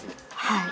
はい。